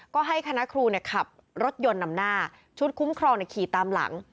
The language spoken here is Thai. ก็ให้คณะครูขับรถยนต์นำหน้าชุดคุ้มครองขี่ตามหลัง